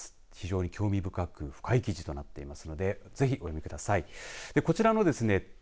非常に興味深く深い記事となっていますのでぜひご覧ください。